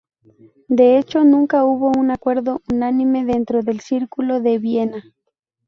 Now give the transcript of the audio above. De hecho, nunca hubo un acuerdo unánime dentro del Círculo de Viena.